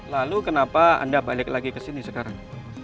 lalu kenapa anda balik lagi kesini sekarang